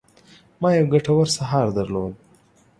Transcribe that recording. ما یو ګټور سهار درلود.